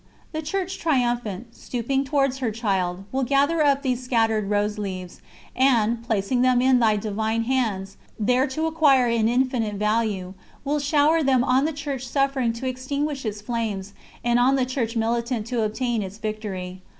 The Church Triumphant, stooping towards her child, will gather up these scattered rose leaves, and, placing them in Thy Divine Hands, there to acquire an infinite value, will shower them on the Church Suffering to extinguish its flames, and on the Church Militant to obtain its victory.